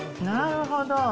なるほど。